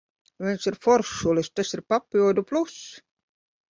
Viņš ir foršulis, tas ir papildu pluss.